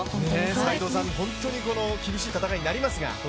斎藤さん、本当に厳しい戦いになりますが。